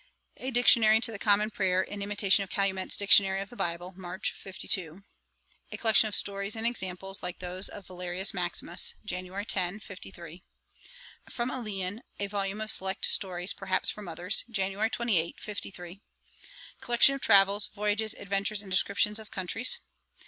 'A Dictionary to the Common Prayer, in imitation of Calmet's Dictionary of the Bible. March, 52. 'A Collection of Stories and Examples, like those of Valerius Maximus. Jan. 10, 53. 'From Aelian, a volume of select Stories, perhaps from others. Jan. 28, 53. 'Collection of Travels, Voyages, Adventures, and Descriptions of Countries.